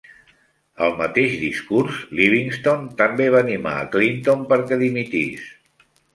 Al mateix discurs, Livingston també va animar a Clinton perquè dimitís.